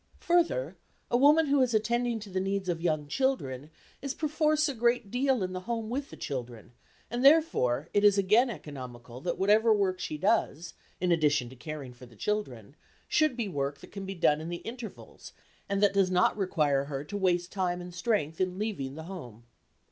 Further, a woman who is attending to the needs of young children is perforce a great deal in the home with the children, and therefore it is again economical that whatever work she does, in addition to caring for the children, should be work that can be done in the intervals, and that does not require her to waste time and strength in leaving the home.